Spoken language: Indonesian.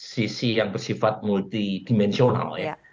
sisi yang bersifat multi dimensional ya